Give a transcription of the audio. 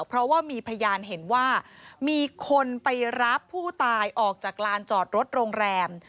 เพราะว่ามีพยานเห็นว่ามีคนไปรับผู้ตายออกจากลานจอดรถโรงแรม